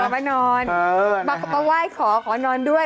มานอนมาไหว้ขอขอนอนด้วย